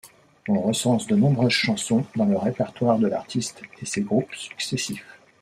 On recense de nombreuses chansons dans le répertoire de l'artiste et ses groupes successifs.